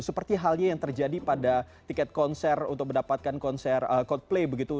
seperti halnya yang terjadi pada tiket konser untuk mendapatkan konser coldplay begitu